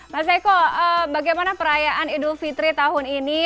mas eko bagaimana perayaan idul fitri tahun ini